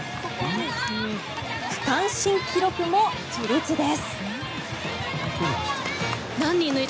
区間新記録も樹立です。